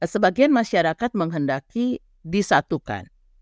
sebagian masyarakat menghendaki disatukan